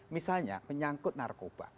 misalnya menyangkut narkoba